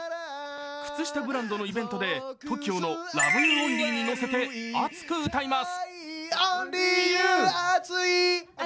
靴下ブランドのイベントで、ＴＯＫＩＯの「ＬＯＶＥＹＯＵＯＮＬＹ」に乗せて熱く歌います。